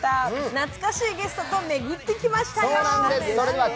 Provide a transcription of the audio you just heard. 懐かしいゲストと巡ってきましたよ。